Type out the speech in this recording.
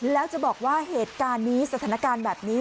แล้วจะบอกว่าเหตุการณ์นี้สถานการณ์แบบนี้